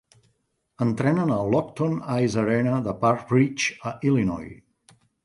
Entrenen a l'Oakton Ice Arena de Park Ridge, a Illinois.